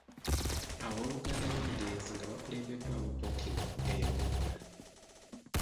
Abooluganda lw’omugenzi nga bakulembeddwamu Ppookino eyawummula.